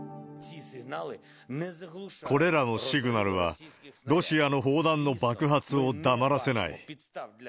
これらのシグナルは、ロシアの砲弾の爆発を黙らせない。